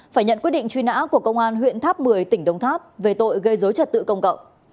phải nhận quyết định truy nã của công an huyện tháp một mươi tỉnh đông tháp về tội gây dối trật tự công cộng